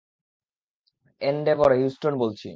Endeavour, Houston বলছি।